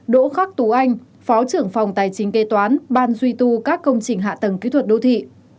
đỗ khắc tú anh phó trưởng phòng tài chính kế toán ban duy tu các công trình hạ tầng kỹ thuật đô thị